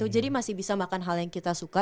jadi masih bisa makan hal yang kita suka